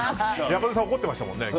山添さん怒ってましたね